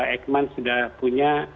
ekman sudah punya